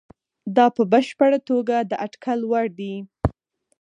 دا په بشپړه توګه د اټکل وړ دي.